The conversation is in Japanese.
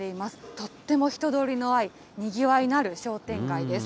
とっても人通りのある、にぎわいのある商店街です。